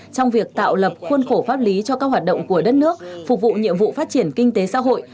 trong việc tạo lập khuôn khổ pháp lý cho các hoạt động của đất nước phục vụ nhiệm vụ phát triển kinh tế xã hội